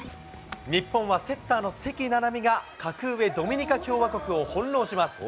日本はセッターの関菜々巳が、格上、ドミニカ共和国を翻弄します。